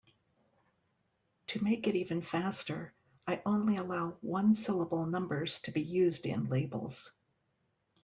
To make it even faster, I only allow one-syllable numbers to be used in labels.